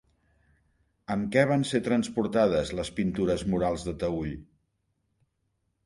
Amb què van ser transportades les pintures murals de Taüll?